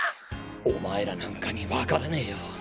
お前らなんかにわからねぇよ。